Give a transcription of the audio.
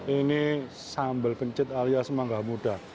ini sambal kencit alias mangga muda